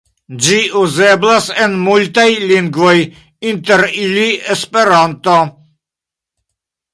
Ĝi uzeblas en multaj lingvoj, inter ili Esperanto.